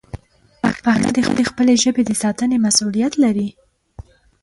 پښتانه د خپلې ژبې د ساتنې مسوولیت لري.